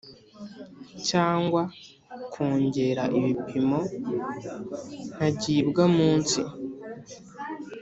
cyangwa kwongera ibipimo ntagibwamunsi